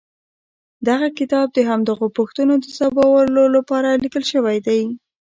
دغه کتاب د همدغو پوښتنو د ځوابولو لپاره ليکل شوی دی.